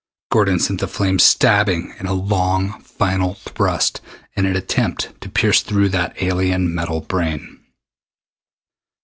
Gordon sent the flame stabbing in a long final thrust in an attempt to pierce through to that alien metal brain.